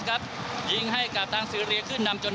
หญิงให้ตังศรีเรียขึ้นนำ